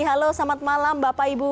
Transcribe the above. halo selamat malam bapak ibu